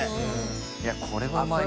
いやこれはうまいな。